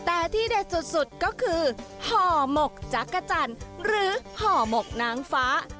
แต่ที่เด็ดสุดก็คือห่อหมกจักรจันทร์หรือห่อหมกนางฟ้า